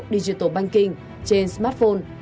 digital banking trên smartphone